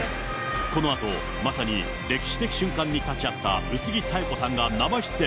このあと、まさに歴史的瞬間に立ち会った宇津木妙子さんが生出演。